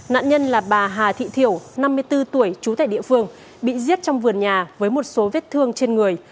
nạn nhân là bà hà thị thiểu năm mươi bốn tuổi trú tại địa phương bị giết trong vườn nhà với một số vết thương trên người